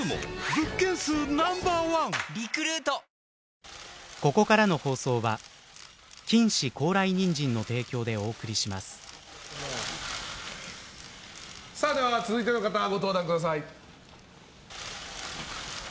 ぷはーっ続いての方、ご登壇ください。